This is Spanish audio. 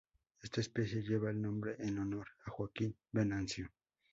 Esta especie lleva el nombre en honor a Joaquim Venancio.